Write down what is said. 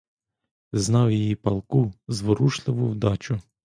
Знав її палку, зворушливу вдачу.